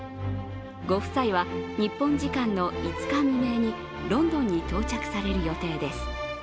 ご夫妻は日本時間の５日未明にロンドンに到着される予定です。